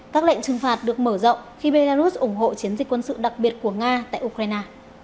các lệnh trừng phạt được mở rộng khi belarus ủng hộ chiến dịch quân sự đặc biệt của nga tại ukraine